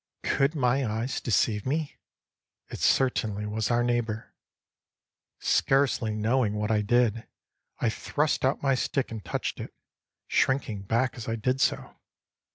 Could my eyes deceive me? It certainly was our neighbor. Scarcely knowing what I did, I thrust out my stick and touched it, shrinking back as I did so.